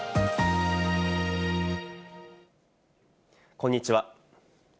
こんにちは。